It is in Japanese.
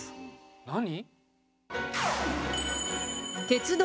何？